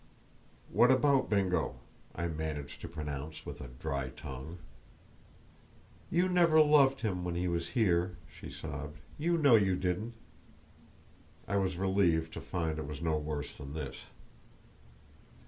"What about Bingo?" I managed to pronounce, with a dry tongue. "You never l loved him when he was here," she sobbed; "you know you didn't!" I was relieved to find it was no worse than this.